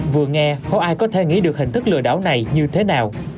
vừa nghe không ai có thể nghĩ được hình thức lừa đảo này như thế nào